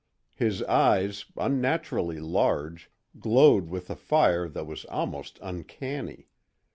His eyes, unnaturally large, glowed with a fire that was almost uncanny.